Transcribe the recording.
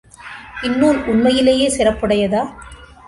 இந்நூல் உண்மையிலேயே சிறப்புடையதா?